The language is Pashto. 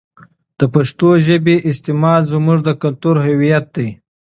د پښتو ژبې استعمال زموږ د کلتور هویت دی.